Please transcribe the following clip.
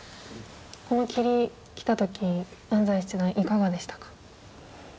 この切りきた時安斎七段いかがでしたか。